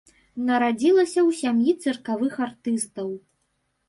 Нарадзілася ў сям'і цыркавых артыстаў.